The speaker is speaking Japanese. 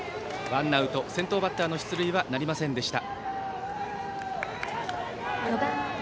先頭バッターの出塁はなりませんでした。